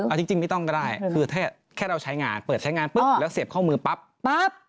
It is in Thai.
เอาจริงไม่ต้องก็ได้คือแค่เราใช้งานเปิดใช้งานปุ๊บแล้วเสียบข้อมือปั๊บปั๊บ